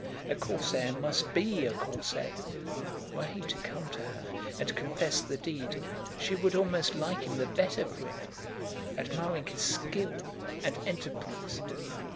A Corsair must be a Corsair. Were he to come to her and confess the deed, she would almost like him the better for it, admiring his skill and enterprise.